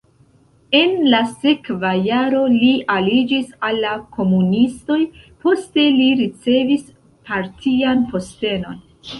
En la sekva jaro li aliĝis al la komunistoj, poste li ricevis partian postenon.